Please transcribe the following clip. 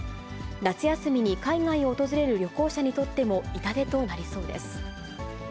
夏休みに海外を訪れる旅行者にとっても痛手となりそうです。